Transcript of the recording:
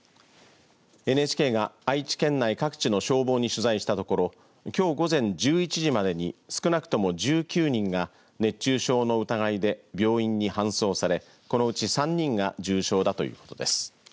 ＮＨＫが愛知県内各地の消防に取材したところきょう午前１１時までに少なくとも１９人が熱中症の疑いで病院に搬送されこのうち３人が重症だということです。